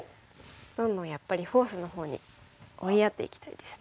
どんどんやっぱりフォースのほうに追いやっていきたいですね。